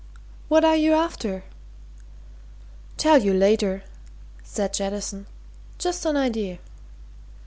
What are you after?" "Tell you later," said Jettison. "Just an idea."